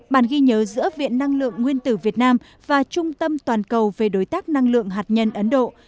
bản ghi nhớ giữa viện năng lượng nguyên tử việt nam và trung tâm toàn cầu về đối tác năng lượng hạt nhân ấn độ